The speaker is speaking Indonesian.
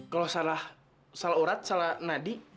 kalau salah urat salah nadi